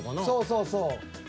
そうそうそう。